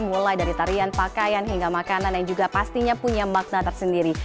mulai dari tarian pakaian hingga makanan yang juga pastinya punya makna tersendiri